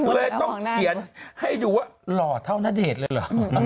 เลยต้องเขียนให้ดูว่าหล่อเท่าณเดชน์เลยเหรอ